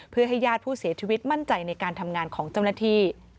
เพื่อให้ญาติผู้เสียชีวิตมั่นใจในการทำงานของเจ้าหน้าที่